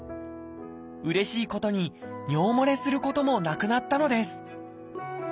うれしいことに尿もれすることもなくなったのです